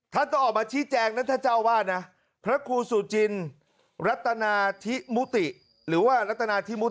ต้องออกมาชี้แจงนะถ้าเจ้าวาดนะพระครูสุจินรัตนาธิมุติหรือว่ารัฐนาธิมุต